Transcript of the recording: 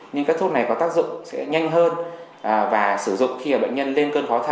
nhưng các thuốc này có tác dụng sẽ nhanh hơn và sử dụng khi bệnh nhân lên cơn khó thở